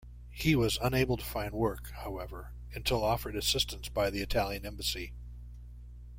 He was unable to find work, however, until offered assistance by the Italian Embassy.